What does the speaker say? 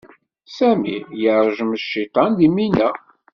Sami yeṛjem aciṭan deg Mina.